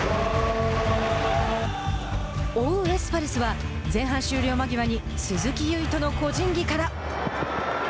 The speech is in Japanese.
追うエスパルスは前半終了間際に鈴木唯人の個人技から。